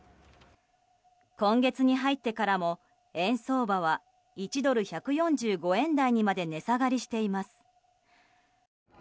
今月に入ってからも、円相場は１ドル＝１４５円台にまで値下がりしています。